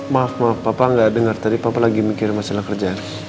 maaf maaf papa gak dengar tadi papa lagi mikir masalah kerjaan